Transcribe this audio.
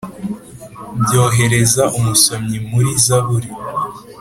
byohereza umusomyi muri zaburi